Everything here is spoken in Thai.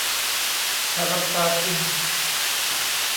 ถ้าลับตาคุณ